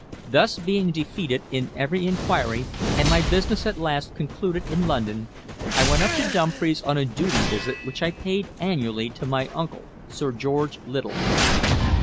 Thus being defeated in every inquiry, and my business at last concluded in London, I went up to Dumfries on a duty visit which I paid annually to my uncle, Sir George Little.